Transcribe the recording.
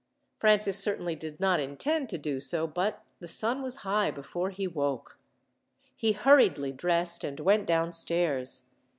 Francis certainly did not intend to do so, but the sun was high before he woke. He hurriedly dressed, and went downstairs.